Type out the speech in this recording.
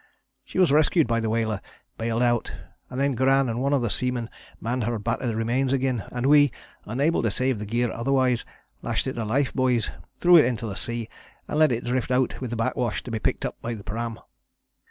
She was rescued by the whaler, baled out, and then Gran and one of the seamen manned her battered remains again, and we, unable to save the gear otherwise, lashed it to life buoys, threw it into the sea and let it drift out with the back wash to be picked up by the pram.